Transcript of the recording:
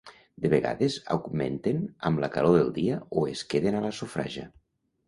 De vegades augmenten amb la calor del dia o es queden a la sofraja.